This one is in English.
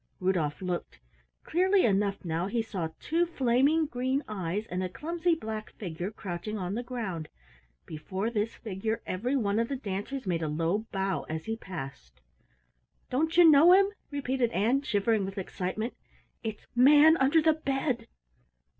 Rudolf looked. Clearly enough now he saw two flaming green eyes and a clumsy black figure crouching on the ground. Before this figure every one of the dancers made a low bow as he passed. "Don't you know him?" repeated Ann, shivering with excitement. "It's Manunderthebed!"